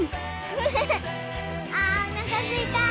フフフあおなかすいた。